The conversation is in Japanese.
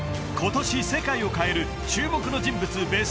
今年世界を変える注目の人物